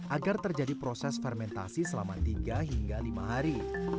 agar terjadi proses fermentasi selama tiga hingga lima hari